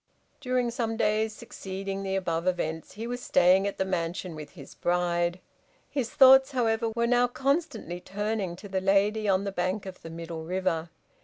During some days succeeding the above events, he was staying at the mansion with his bride. His thoughts, however, were now constantly turning to the lady on the bank of the middle river.